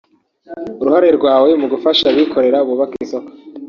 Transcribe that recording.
uruhare rwawe mu gufasha abikorera bubaka isoko